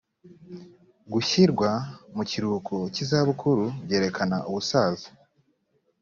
gushyirwa mu kiruhuko cy izabukuru byerekana ubusaza.